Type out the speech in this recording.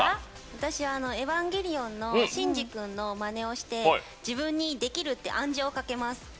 私「エヴァンゲリオン」のシンジ君のまねをして自分に「できる」って暗示をかけます。